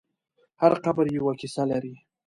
هر قبر یوه کیسه لري.